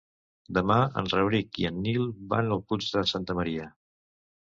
Demà en Rauric i en Nil van al Puig de Santa Maria.